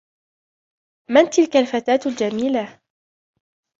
من تلك الفتاة الجميلة؟